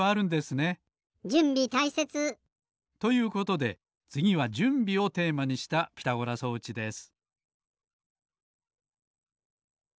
じゅんびたいせつ。ということでつぎはじゅんびをテーマにしたピタゴラ装置です。